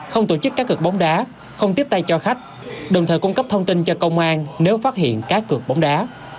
không tổ chức các cực bóng đá không tiếp tay cho khách đồng thời cung cấp thông tin cho công an nếu phát hiện cá cực bóng đá